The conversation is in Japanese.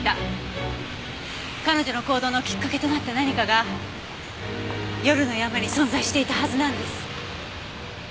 彼女の行動のきっかけとなった何かが夜の山に存在していたはずなんです。